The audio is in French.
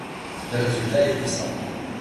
Le résultat est puissant.